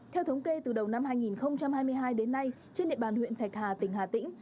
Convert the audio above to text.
theo thống kê từ đầu năm hai nghìn hai mươi hai đến nay trên địa bàn huyện thạch hà tỉnh hà tĩnh